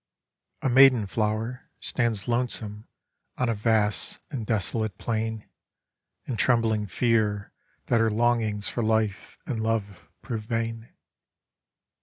A maiden flower stands lonesome on a vast and desolate plain, in treacling fear that her longings for life and love prove vain.